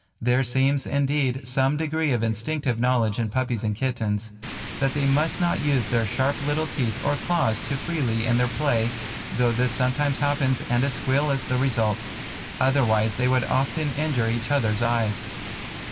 There seems, indeed, some degree of instinctive knowledge in puppies and kittens, that they must not use their sharp little teeth or claws too freely in their play, though this sometimes happens and a squeal is the result; otherwise they would often injure each other's eyes.